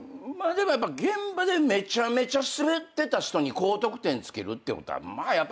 でもやっぱ現場でめちゃめちゃスベってた人に高得点付けるってことはまあやっぱあんまないので。